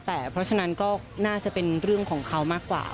แต่เพราะฉะนั้นก็น่าจะเป็นเรื่องของเขามากกว่า